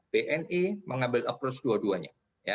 bni mengambil approach dua duanya